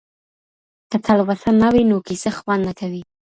که تلوسه نه وي نو کيسه خوند نه کوي.